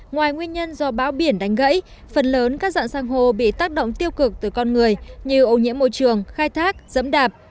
ngoài nguyên nhân do bão biển đánh gãy phần lớn các dạng san hô bị tác động tiêu cực từ con người như ô nhiễm môi trường khai thác dẫm đạp